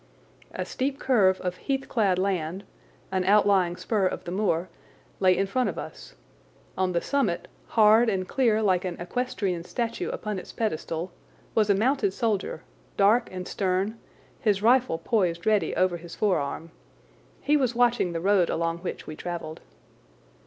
A steep curve of heath clad land, an outlying spur of the moor, lay in front of us. On the summit, hard and clear like an equestrian statue upon its pedestal, was a mounted soldier, dark and stern, his rifle poised ready over his forearm. He was watching the road along which we travelled.